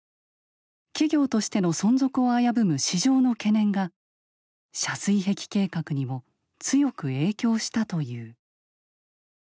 企業としての存続を危ぶむ市場の懸念が遮水壁計画にも強く影響したという。